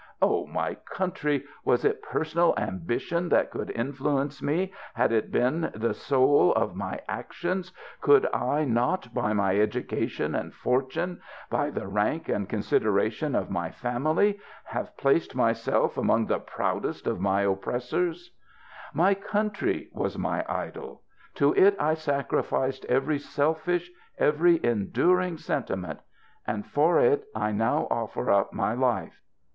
O, my country, was it personal ambition that could influence me, had it been the soul of my actions, could I not by my education and fortune, by the rank and consideration of my family, have placed myself among the proudest of my oppressors ? 3Z 368 PATRIOTIC SPEECH My country was my idol ; to it I sacrificed every selfish, every endearing sentiment ; and for it, I now offer up my life.